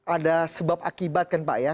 ada sebab akibat kan pak ya